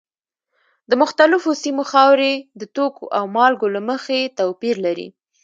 د مختلفو سیمو خاورې د توکو او مالګو له مخې توپیر لري.